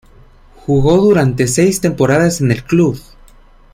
Jugó durante seis temporadas en el club.